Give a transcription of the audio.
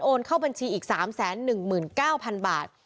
เข้าบัญชีอีก๓๑๙๐๐บาท